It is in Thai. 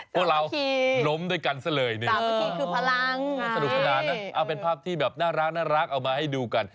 พวกเราล้มด้วยกันซะเลยวันนี้โอ้โฮอ้าวสนุกขนาดน่ะอ่าวเป็นภาพที่แบบน่ารักเอามาให้ดูกัน